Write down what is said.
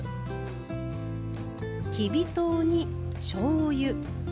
きび糖にしょうゆ・酒。